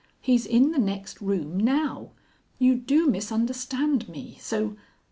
He's in the next room now. You do misunderstand me, so...."